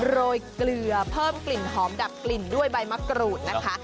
โรยเกลือเพิ่มกลิ่นหอมดับกลิ่นด้วยใบมะกรูดนะคะ